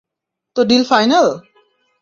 তো deal final?